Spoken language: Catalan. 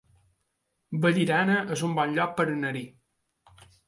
Vallirana es un bon lloc per anar-hi